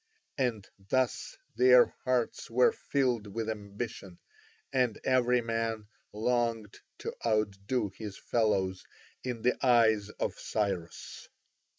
And thus their hearts were filled with ambition, and every man longed to outdo his fellows in the eyes of Cyrus.